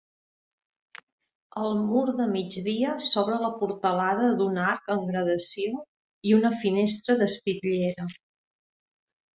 Al mur de migdia s'obre la portalada d'un arc en gradació i una finestra d'espitllera.